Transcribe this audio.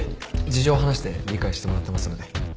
事情を話して理解してもらってますので。